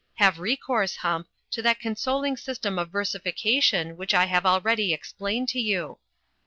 Have recoiu'se, Hump, to that consoling sys tem of versification which I have already explained to you.